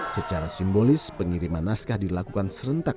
secara simbolis pengiriman naskah dilakukan serentak